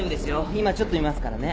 今ちょっと診ますからね。